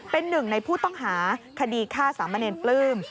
เป็นหนึ่งในผู้ต้องหาคดีฆ่าสามเณรปลื้ม